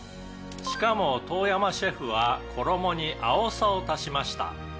「しかも遠山シェフは衣にあおさを足しました」